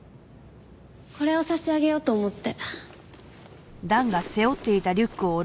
これを差し上げようと思って。